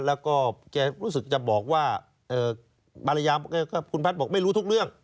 แล้วก็แกรู้สึกจะบอกว่าภรรยาคุณพัฒน์บอกไม่รู้ทุกเรื่อง